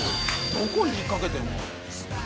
どこに引っかけてんの？